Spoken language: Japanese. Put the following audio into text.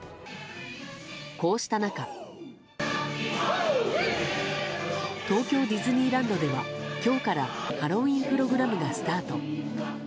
こうした中東京ディズニーランドでは今日からハロウィーンプログラムがスタート。